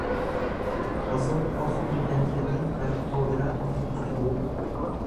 Osoo of hin danda'iin rakkoo biraa ofitti fiduu.